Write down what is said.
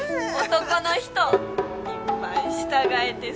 男の人いっぱい従えてそうや。